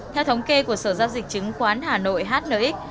theo thống kê của sở giao dịch chứng khoán hà nội hnx